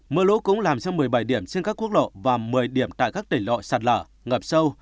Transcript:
mưa lũ cũng làm cho một mươi bảy điểm trên các quốc lộ và một mươi điểm tại các tỉnh lọ sạt lở ngập sâu